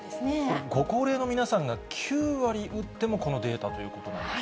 ご高齢の皆さんが９割打っても、このデータということなんですか。